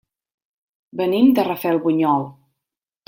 Venim de Rafelbunyol.